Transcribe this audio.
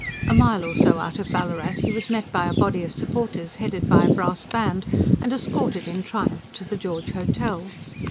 A mile or so out of Ballarat, he was met by a body of supporters headed by a brass band, and escorted in triumph to the George Hotel.